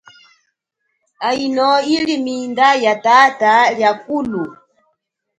Aino yile minda ya tata liakulu.